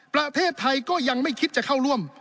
ประเทศไทยก็ยังไม่คิดจะเข้าร่วม